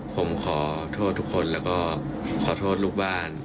ผมขอโทษทุกคนแล้วก็ขอโทษลูกบ้าน